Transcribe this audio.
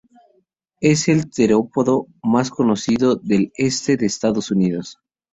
Es el terópodo mejor conocido del este de Estados Unidos.